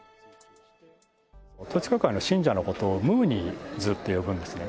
統一教会の信者のことをムーニーズって呼ぶんですね。